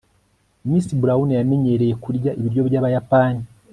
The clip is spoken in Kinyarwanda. miss brown yamenyereye kurya ibiryo byabayapani